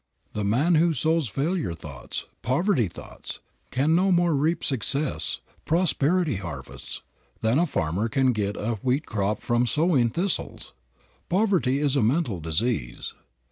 The man who sows failure thoughts, poverty thoughts, can no more reap success, prosperity harvests, than a farmer can get a wheat crop from sowing thistles. Poverty is a mental disease.